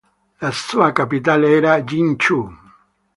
La sua capitale era Yin Xu.